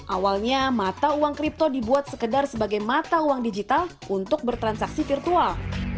awalnya mata uang kripto dibuat sekedar sebagai mata uang digital untuk bertransaksi virtual